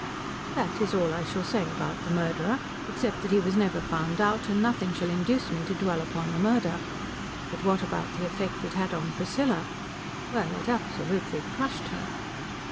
That is all I shall say about the murderer, except that he was never found out; and nothing shall induce me to dwell upon the murder. But what about the effect it had on Priscilla? Well, it absolutely crushed her.